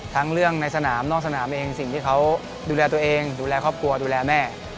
ทั้งเรื่องในสนามนอกสนามเองสิ่งที่เขาดูแลตัวเองดูแลครอบครัวดูแลแม่